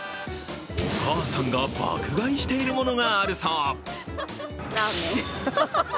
お母さんが爆買いしているものがあるそう。